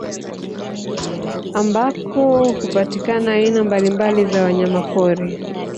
Ambako hupatikana aina mbalimbali za wanyamapori